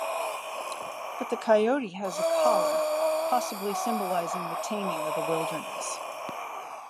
But the coyote has a collar - possibly symbolising the taming of the wilderness.